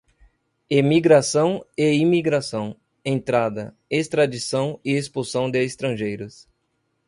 emigração e imigração, entrada, extradição e expulsão de estrangeiros;